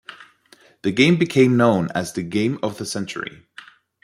The game became known as the game of the century.